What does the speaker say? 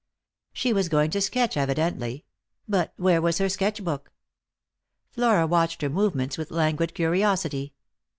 She was going to sketch, evidently; but where Lost for Love. 319 was her sketch book? Flara watched her movements with languid curiosity.